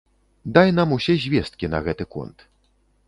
Дай нам усе звесткі на гэты конт.